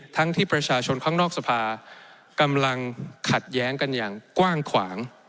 ทั้งที่ประชาชนข้างนอกสภากำลังขัดแย้งกันอย่างกว้างขวาง